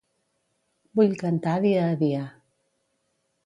Vull cantar dia a dia.